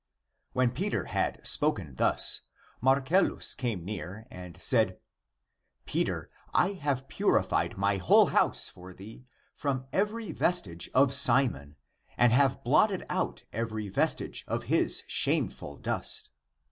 When Peter had spoken thus, Marcellus came near, and said, " Peter, I have purified my whole house for thee from every vestige of Simon, and have blotted out (every vestige) of his shame ful dust.